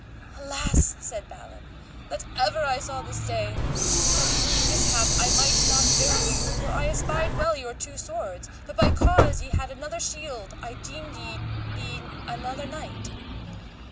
Alas, said Balan, that ever I saw this day, that through mishap I might not know you, for I espied well your two swords, but by cause ye had another shield I deemed ye had been another knight.